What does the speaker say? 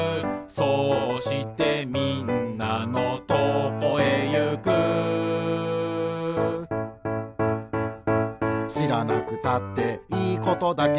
「そうしてみんなのとこへゆく」「しらなくたっていいことだけど」